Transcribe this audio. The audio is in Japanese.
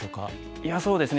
いやそうですね